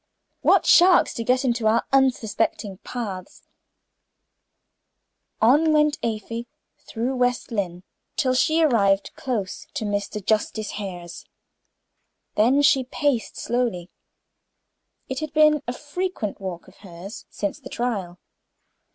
What sharks do get in our unsuspecting paths in this world!" On went Afy, through West Lynne, till she arrived close to Mr. Justice Hare's. Then she paced slowly. It had been a frequent walk of hers since the trial.